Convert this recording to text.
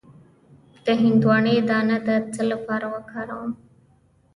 د هندواڼې دانه د څه لپاره وکاروم؟